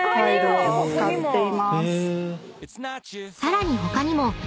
［さらに他にも］